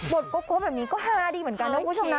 โก๊แบบนี้ก็ฮาดีเหมือนกันนะคุณผู้ชมนะ